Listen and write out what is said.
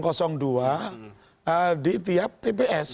karena di tiap tps